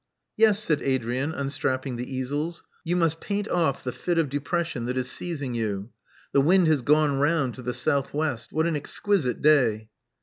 "Yes," said Adrian, unstrapping the easels. "You must paint oflE the fit of depression that is seizing you. The wind has gone round to the south west. What an exquisite day!"